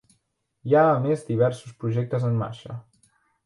Hi ha a més diversos projectes en marxa.